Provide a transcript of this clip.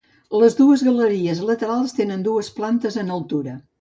Les dues galeries laterals tenen dues plantes en altura.